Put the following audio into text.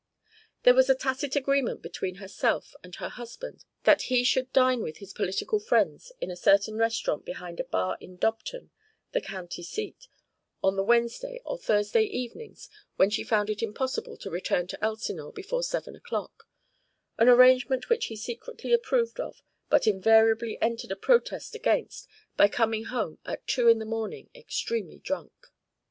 There was a tacit agreement between herself and her husband that he should dine with his political friends in a certain restaurant behind a bar in Dobton, the county seat, on the Wednesday or Thursday evenings when she found it impossible to return to Elsinore before seven o'clock; an arrangement which he secretly approved of but invariably entered a protest against by coming home at two in the morning extremely drunk.